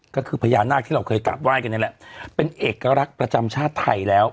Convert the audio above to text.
ก็คือพญานาคที่เราเคยกราบไห้กันนี่แหละเป็นเอกลักษณ์ประจำชาติไทยแล้ว